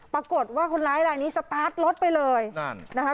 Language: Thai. ปรากฏว่าคนร้ายลายนี้สตาร์ทรถไปเลยนั่นนะคะ